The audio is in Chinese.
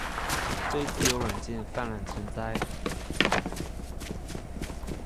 非自由软件泛滥成灾